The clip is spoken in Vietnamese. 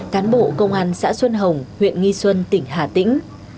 cán bộ công an xã xuân hồng huyện nghi xuân tỉnh hà tĩnh